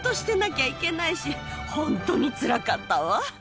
ホントにつらかったわ。